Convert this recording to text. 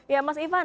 ya mas ivan